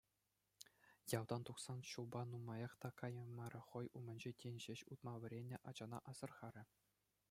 Ялтан тухсан ҫулпа нумаях та каяймарӗ хӑй умӗнче тин ҫеҫ утма вӗреннӗ ачана асӑрхарӗ.